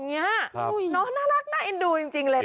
น่ารักน่าเอ็นดูจริงเลยนะ